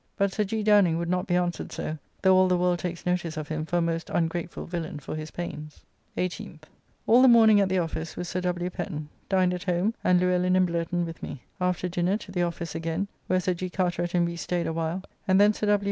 But Sir G. Downing would not be answered so: though all the world takes notice of him for a most ungrateful villain for his pains. 18th. All the morning at the office with Sir W. Pen. Dined at home, and Luellin and Blurton with me. After dinner to the office again, where Sir G. Carteret and we staid awhile, and then Sir W.